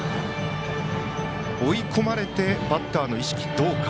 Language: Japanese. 追い込まれてバッターの意識はどうか。